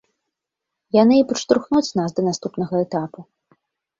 Яны і падштурхнуць нас да наступнага этапу.